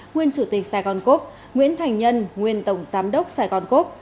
nguyên chủ tịch sài gòn cốc nguyễn thành nhân nguyên tổng giám đốc sài gòn cốc